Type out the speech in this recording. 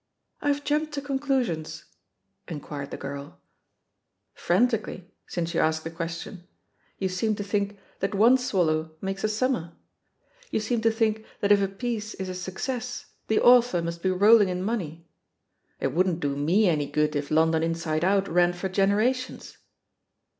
"I've jumped to conclusions?" inquired the girl. "Frantically, since you ask the question. You seem to think that one swallow makes a summer — ^you seem to think that if a piece is a success, the author must be rolling in money. It wouldn't 18« THE POSITION OF PEGGY HARPER do me any good if London Inside Out ran for generations."